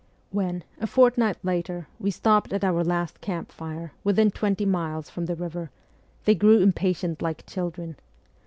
When, a fortnight later, we stopped at our last camp fire within twenty miles from the river, they grew impatient like children.